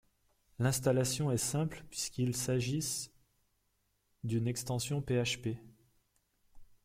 L’installation est simple puisqu’il s’agisse d’une extension PHP.